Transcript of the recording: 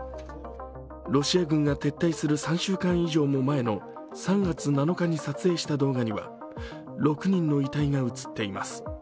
ロシア軍が撤退する３週間以上も前の３月７日に撮影した動画には６人の遺体が写っています。